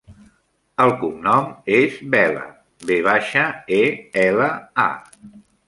El cognom és Vela: ve baixa, e, ela, a.